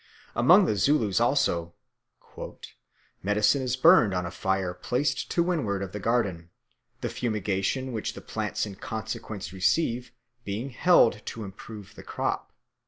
Among the Zulus also "medicine is burned on a fire placed to windward of the garden, the fumigation which the plants in consequence receive being held to improve the crop."